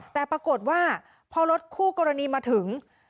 แต่ปรากฏว่าพอรถคู่กรณีมาถึง